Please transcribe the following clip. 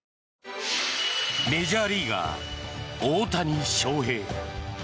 メジャーリーガー、大谷翔平。